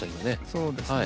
そうですね。